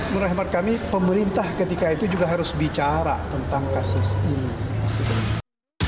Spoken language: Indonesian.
menurut rahmat kami pemerintah ketika itu juga harus bicara tentang kasus ini